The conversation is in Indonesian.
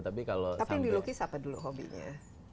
tapi yang dilukis apa dulu hobinya